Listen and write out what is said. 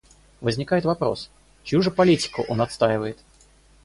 Возникает вопрос: чью же политику он отстаивает?